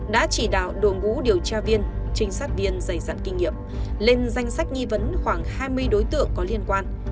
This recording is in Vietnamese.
đã chỉ đạo đội ngũ điều tra viên trinh sát viên dày dặn kinh nghiệm lên danh sách nghi vấn khoảng hai mươi đối tượng có liên quan